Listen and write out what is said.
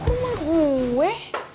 ke rumah gue